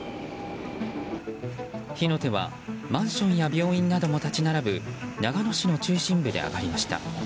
火の手はマンションや病院なども立ち並ぶ長野市の中心部で上がりました。